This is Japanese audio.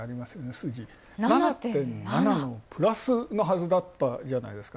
数字７．７のプラスのはずだったじゃないですか。